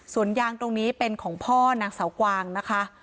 ส่วนยางตรงนี้เป็นของพ่อนางเสากวางนะคะ